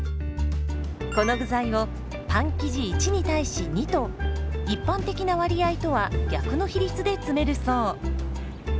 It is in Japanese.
この具材をパン生地１に対し２と一般的な割合とは逆の比率で詰めるそう。